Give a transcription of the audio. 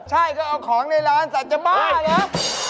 ใช่เอาของในร้านสาวจะบ้าหรือ